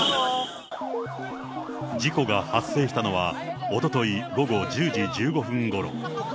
事故が発生したのは、おととい午後１０時１５分ごろ。